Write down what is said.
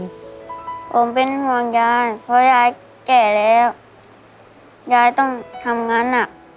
ผมเป็นห่วงยายเพราะยายแก่แล้วยายต้องทำงานหนัก